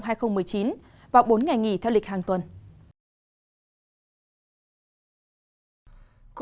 và bốn ngày nghỉ theo lịch hàng tuần